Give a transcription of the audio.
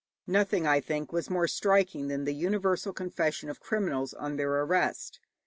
Nothing, I think, was more striking than the universal confession of criminals on their arrest.